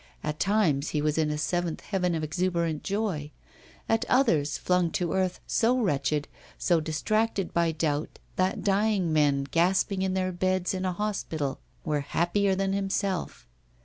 At times he was in a seventh heaven of exuberant joy; at others flung to earth, so wretched, so distracted by doubt, that dying men gasping in their beds in a hospital were happier than himself.